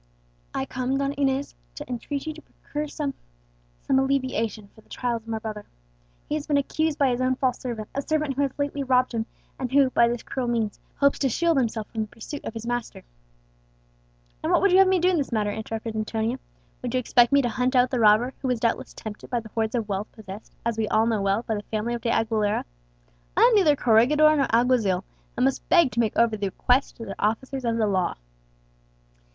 "I come, Donna Antonia, to entreat you to procure some some alleviation for the trials of my brother. He has been accused by his own false servant, a servant who has lately robbed him, and who, by this cruel means, hopes to shield himself from the pursuit of his master." "And what would you have me do in this matter?" interrupted Antonia. "Would you expect me to hunt out the robber, who was doubtless tempted by the hoards of wealth possessed, as we all know well, by the family of De Aguilera? I am neither corregidor nor alguazil, and must beg to make over the quest to the officers of the law."